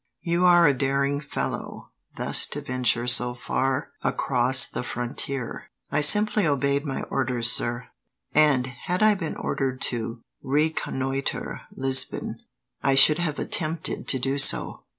"You are a daring fellow, thus to venture so far across the frontier." "I simply obeyed my orders, sir; and, had I been ordered to reconnoitre Lisbon, I should have attempted to do so."